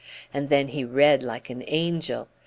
And then he read like an angel.